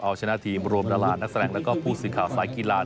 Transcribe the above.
เอาชนะทีมรวมด้านหลานนักแสงและผู้ศึกขาวสายกีฬา